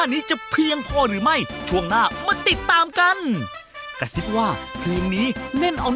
ในเพลงที่๓นี้ก็คือ